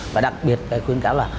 và đặc biệt khuyến cáo là